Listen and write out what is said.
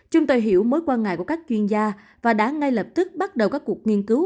chúng tôi hiểu mối quan ngại của các chuyên gia và đã ngay lập tức bắt đầu các cuộc nghiên cứu